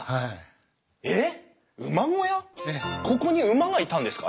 ここに馬がいたんですか？